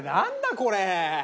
これ。